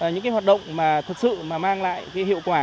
những hoạt động mà thực sự mang lại cái hiệu quả